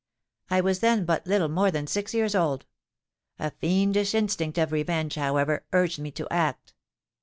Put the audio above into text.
I was then but little more than six years old: a fiendish instinct of revenge, however, urged me to act.